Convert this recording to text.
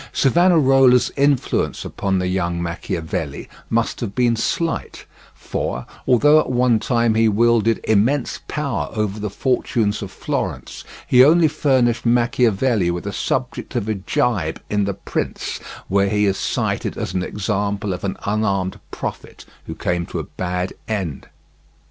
Savonarola's influence upon the young Machiavelli must have been slight, for although at one time he wielded immense power over the fortunes of Florence, he only furnished Machiavelli with a subject of a gibe in The Prince, where he is cited as an example of an unarmed prophet who came to a bad end.